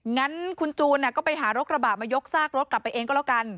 งั้นคุณจูนก็ไปหารถกระบะมายกซากรถกลับไปเองก็แล้วกัน